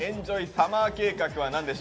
サマー計画」は何でしょう？